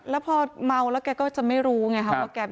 แล้วพอเมาแล้วแกก็จะไม่รู้ไงครับว่าแก